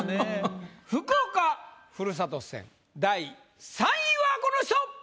福岡ふるさと戦第３位はこの人！